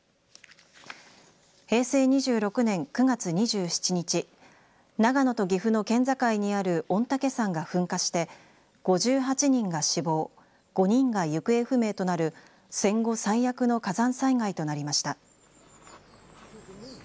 平成２６年９月２７日長野と岐阜の県境にある御嶽山が噴火して５８人が死亡５人が行方不明となる戦後最悪の火山災害となりました。